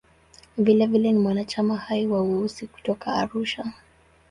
Vilevile ni mwanachama hai wa "Weusi" kutoka Arusha.